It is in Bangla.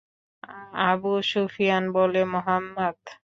আবু সুফিয়ান বলে– মুহাম্মাদ!